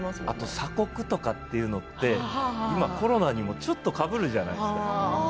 鎖国というのはコロナにもちょっとかぶるじゃないですか。